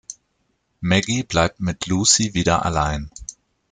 Maggy bleibt mit Lucy wieder allein.